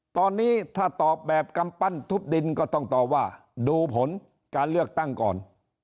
ตอนนี้ถ้าตอบแบบกำปั้นทุบดินก็ต้องตอบว่าดูผลการเลือกตั้งก่อน